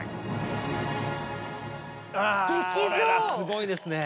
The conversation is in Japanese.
これはすごいですね。